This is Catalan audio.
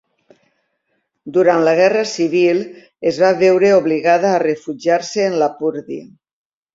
Durant la Guerra Civil es va veure obligada a refugiar-se en Lapurdi.